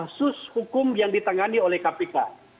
kasus hukum yang ditangani oleh kpk